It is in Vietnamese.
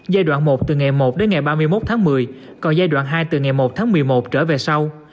giai đoạn một từ ngày một đến ngày ba mươi một tháng một mươi còn giai đoạn hai từ ngày một tháng một mươi một trở về sau